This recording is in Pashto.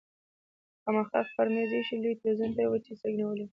مخامخ پر مېز ايښي لوی تلويزيون ته يې وچې سترګې نيولې وې.